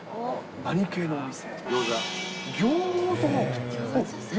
何系のお店？